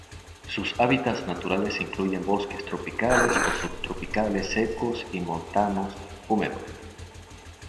Sus hábitats naturales incluyen bosques tropicales o subtropicales secos y montanos húmedos.